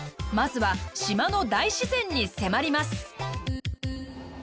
まずは島の大自然に迫ります。